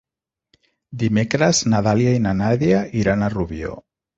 Dimecres na Dàlia i na Nàdia iran a Rubió.